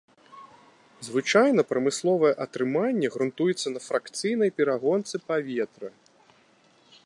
Звычайна прамысловае атрыманне грунтуецца на фракцыйнай перагонцы паветра.